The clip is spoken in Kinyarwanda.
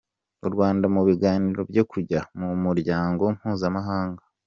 Urwanda mu biganiro byo kujya mumu ryango mpuza mahanga